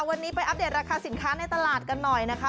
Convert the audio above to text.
วันนี้ไปอัปเดตราคาสินค้าในตลาดกันหน่อยนะคะ